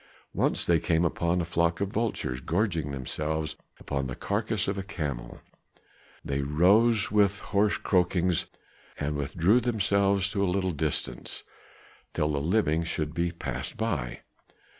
Once they came upon a flock of vultures gorging themselves upon the carcass of a camel; they rose with hoarse croakings and withdrew themselves to a little distance, till the living should pass by.